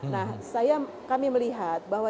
nah kami melihat bahwa